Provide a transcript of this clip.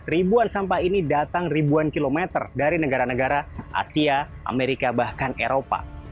ribuan sampah ini datang ribuan kilometer dari negara negara asia amerika bahkan eropa